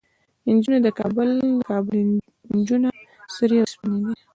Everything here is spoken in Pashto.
نجونه د کابل، د کابل نجونه سرې او سپينې دي